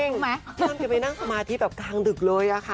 พี่อ้ามจะไปวนในกลางหน๒๗๐น